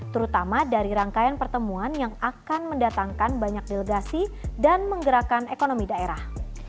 terutama dari rangkaian pertemuan yang akan mendatangkan banyak delegasi dan menggerakkan ekonomi daerah